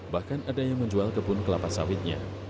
bahkan ada yang menjual kebun kelapa sawitnya